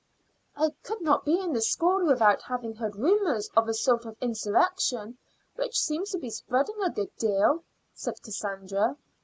"I could not be in the school without having heard rumors of a sort of insurrection which seems to be spreading a good deal," said Cassandra.